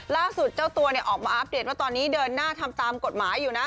เจ้าตัวเนี่ยออกมาอัปเดตว่าตอนนี้เดินหน้าทำตามกฎหมายอยู่นะ